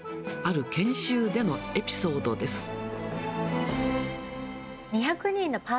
ある研修でのエピソードです。